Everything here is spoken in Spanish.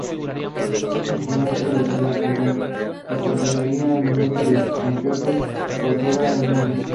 Ese instrumento la acompañaría en muchos de sus conciertos por todo el mundo.